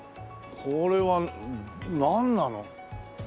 これはなんなの？